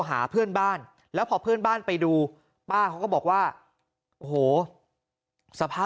หาเพื่อนบ้านแล้วพอเพื่อนบ้านไปดูป้าเขาก็บอกว่าโอ้โหสภาพ